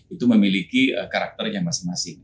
itu memiliki karakternya masing masing